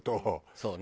そうね。